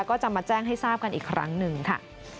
ก็จะมาแจ้งให้ทราบกันอีกครั้งหนึ่งค่ะ